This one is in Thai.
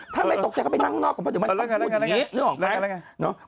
ถ้าไม่ตกใจเข้าไปนั่งนอกก็พูดอย่างนี้